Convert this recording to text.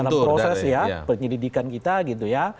dalam proses ya penyelidikan kita gitu ya